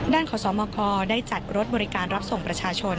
ด้านข่าวสวมมคได้จัดรถบริการรับส่งประชาชน